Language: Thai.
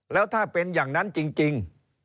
แล้วถ้าเป็นอย่างนั้นจริง